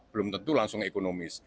belum tentu langsung ekonomis